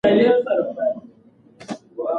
هر څوک کولای سي نوي شیان زده کړي.